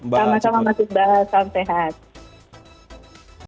sama sama mas iqbal salam sehat